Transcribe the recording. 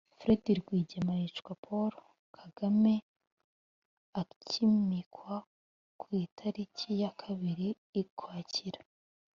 fred rwigema yicwa paul kagame akimikwa ku itariki ya kabiri ikwakira